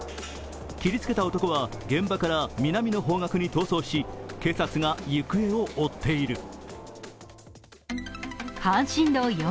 切りつけた男は現場から南の方角に逃走し警察が行方を追っている。